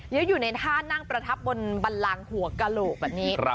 แล้วอยู่ในท่านั่งประทับบนบันลังหัวกระโหลกแบบนี้